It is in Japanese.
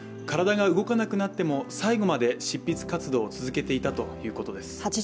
体が動かなくなっても最後まで執筆活動を続けていたということです。